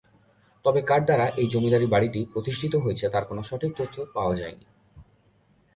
তবে কার দ্বারা এই জমিদার বাড়িটি প্রতিষ্ঠিত হয়েছে তার কোনো সঠিক তথ্য পাওয়া যায়নি।